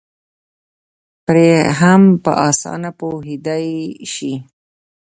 پرې هم په اسانه پوهېدی شي